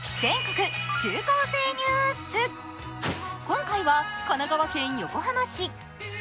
今回は神奈川県横浜市。